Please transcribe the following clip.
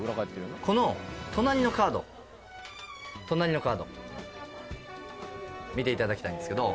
この隣のカード隣のカード見ていただきたいんですけど